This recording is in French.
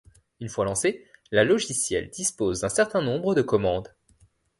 Une fois lancé, la logiciel dispose d'un certain nombre de commandes.